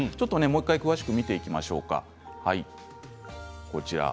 詳しく見ていきましょうか。